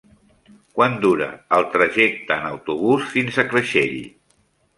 Quant dura el trajecte en autobús fins a Creixell?